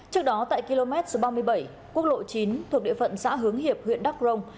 trước đó tại km ba mươi bảy quốc lộ chín thuộc địa phận xã hướng hiệp huyện đắc rông